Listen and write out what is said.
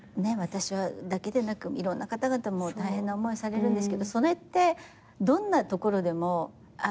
私だけでなくいろんな方々も大変な思いされるんですけどそれってどんなところでも。